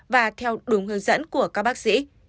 và theo đúng hướng dẫn của các bác sĩ